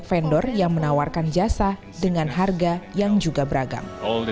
vendor yang menawarkan jasa dengan harga yang juga beragam